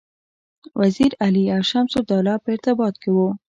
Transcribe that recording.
وزیر علي او شمس الدوله په ارتباط کې وه.